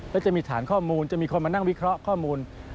และจะมีฐานข้อมูลจะมีคนมานั่งวิเคราะห์ข้อมูล